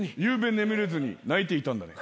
「昨夜眠れずに泣いていたんだね」